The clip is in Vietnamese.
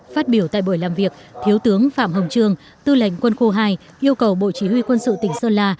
phát biểu tại buổi làm việc thiếu tướng phạm hồng trương tư lệnh quân khu hai yêu cầu bộ chỉ huy quân sự tỉnh sơn la